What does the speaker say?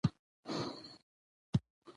موږ باید د اسراف څخه ځان وساتو